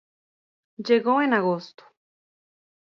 Llegó en agosto.